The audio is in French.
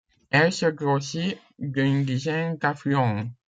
Elle se grossit d'une dizaine d'affluents.